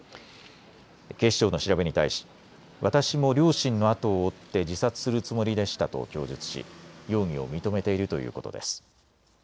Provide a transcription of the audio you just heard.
警視庁の調べに対し私も両親の後を追って自殺するつもりでしたと供述し容疑を認めているということです。